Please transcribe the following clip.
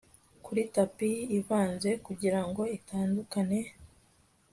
kuri tapi ivanze kugirango itandukane